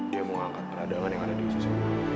dia mau angkat peradangan yang ada di sisi